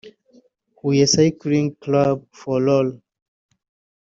Huye Cycling Club for All